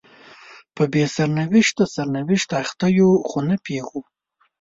په بې سرنوشته سرنوشت اخته یو خو نه پوهیږو